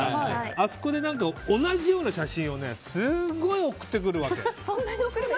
あそこで同じような写真をすごい送ってくるわけ。